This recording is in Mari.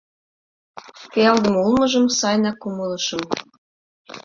Пиалдыме улмыжым сайынак умылышым.